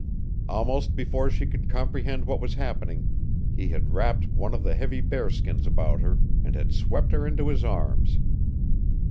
Almost before she could comprehend what was happening he had wrapped one of the heavy bear skins about her and had swept her into his arms.